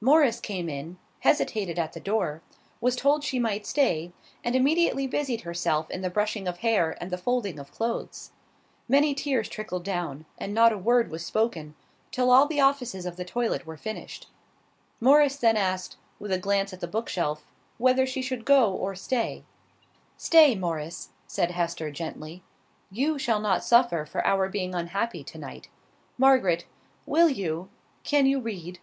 Morris came in, hesitated at the door, was told she might stay, and immediately busied herself in the brushing of hair and the folding of clothes. Many tears trickled down, and not a word was spoken, till all the offices of the toilet were finished. Morris then asked, with a glance at the book shelf, whether she should go or stay. "Stay, Morris," said Hester, gently. "You shall not suffer for our being unhappy to night. Margaret, will you, can you read?"